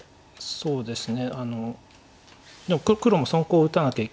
そうですね。